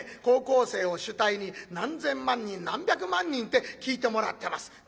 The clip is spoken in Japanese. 高校生を主体に何千万人何百万人って聴いてもらってます。